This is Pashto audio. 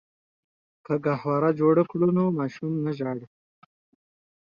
که ګهواره جوړه کړو نو ماشوم نه ژاړي.